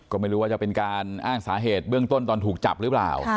ก็ไม่รู้ว่าจะเป็นการอ้างสาเหตุเบื้องต้นตอนถูกจับหรือเปล่า